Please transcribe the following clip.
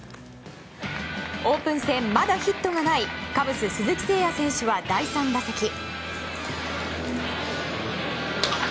オープン戦、まだヒットがないカブス、鈴木誠也選手は第３打席。